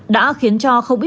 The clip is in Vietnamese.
đã khiến cho không ít lợi